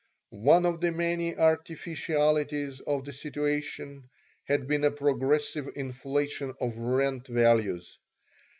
One of the many artificialities of the situation had been a progressive inflation of rent values.